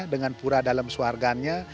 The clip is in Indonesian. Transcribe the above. dengan pura dalam suarganya